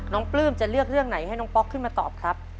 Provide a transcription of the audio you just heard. ปลื้มจะเลือกเรื่องไหนให้น้องป๊อกขึ้นมาตอบครับ